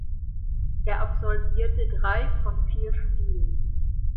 Er absolvierte drei von vier Spielen.